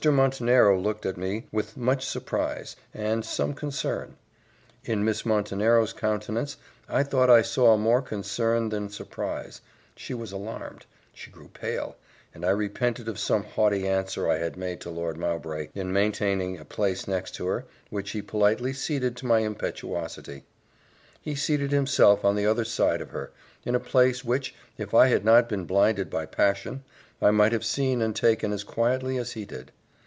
Montenero looked at me with much surprise, and some concern. In Miss Montenero's countenance I thought I saw more concern than surprise; she was alarmed she grew pale, and I repented of some haughty answer I had made to Lord Mowbray, in maintaining a place next to her, which he politely ceded to my impetuosity: he seated himself on the other side of her, in a place which, if I had not been blinded by passion, I might have seen and taken as quietly as he did.